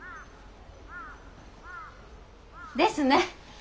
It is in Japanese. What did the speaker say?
ですね。